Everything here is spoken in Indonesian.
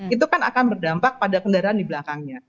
itu kan akan berdampak pada kendaraan di belakangnya